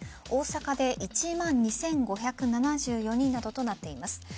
大阪で１万２５７４人などとなっています。